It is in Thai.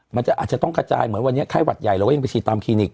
มันอาจจะต้องกระจายเหมือนวันนี้ไข้หวัดใหญ่เราก็ยังไปฉีดตามคลินิก